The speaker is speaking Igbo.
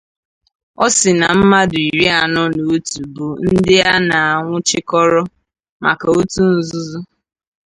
Ọ sị na mmadụ iri anọ na otu bụ ndị a nwụchikọrọ maka òtù nzuzo